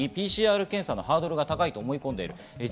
ＰＣＲ検査のハードルが高いと思い込んでいる。